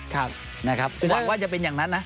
คุณหวังว่าจะเป็นอย่างนั้นนะ